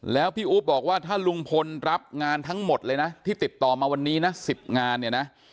แล้วพี่อุ๊บบอกว่าถ้าลุงพลรับงานทั้งหมดเลยนะที่ติดต่อมาวันนี้นะ๑๐งานเนี่ยนะ